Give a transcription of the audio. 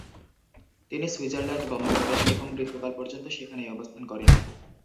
তিনি সুইজারল্যান্ড গমন করেন এবং মৃত্যুকাল পর্যন্ত সেখানেই অবস্থান করেন।